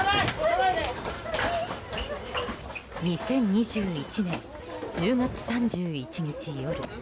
２０２１年、１０月３１日夜。